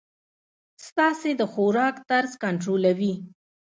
ستاسي د خوراک طرز کنټرولوی.